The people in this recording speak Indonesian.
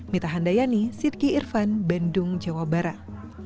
mita handayani sidky irvan bendung jawa barat